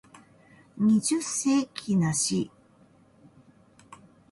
二十世紀梨